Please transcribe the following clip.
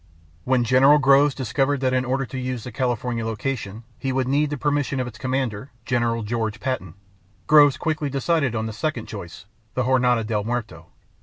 When General Groves discovered that in order to use the California location he would need the permission of its commander, General George Patton, Groves quickly decided on the second choice, the Jornada del Muerto.